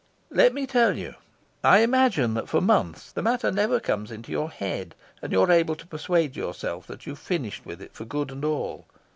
"Let me tell you. I imagine that for months the matter never comes into your head, and you're able to persuade yourself that you've finished with it for good and all.